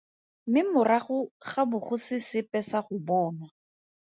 Mme morago ga bo go se sepe sa go bonwa.